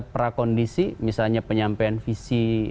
prakondisi misalnya penyampaian visi